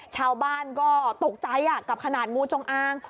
ชาวบ้านก็ตกใจกับขนาดงูจงอาง